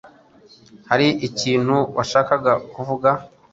Hari ikintu washakaga kuvuga?